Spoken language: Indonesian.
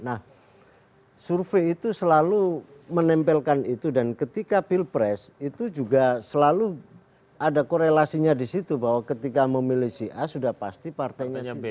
nah survei itu selalu menempelkan itu dan ketika pilpres itu juga selalu ada korelasinya di situ bahwa ketika memilih si a sudah pasti partainya si b